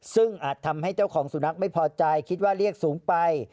ซึ่งอาจทำให้เจ้าของสุนัขไม่พอใจคิดว่าเรียกสูงไป